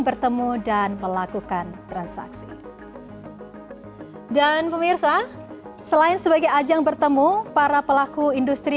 bertemu dan melakukan transaksi dan pemirsa selain sebagai ajang bertemu para pelaku industri